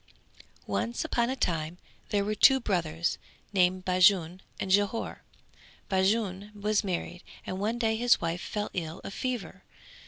Once upon a time there were two brothers named Bajun and Jhore. Bajun was married and one day his wife fell ill of fever.